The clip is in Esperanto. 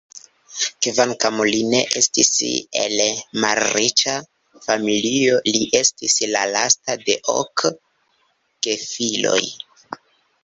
Kvankam li ne estis el malriĉa familio, li estis la lasta de ok gefiloj.